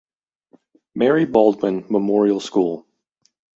Mary Baldwin Memorial School.